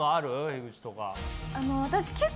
樋口とか。